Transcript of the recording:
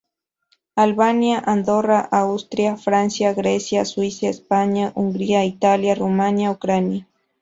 Albania, Andorra, Austria, Francia, Grecia, Suiza, España, Hungría, Italia, Rumanía, Ucrania.